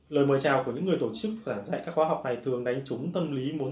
lời mời chào của những người tổ chức giảng dạy các khóa học này thường đánh trúng tâm lý muốn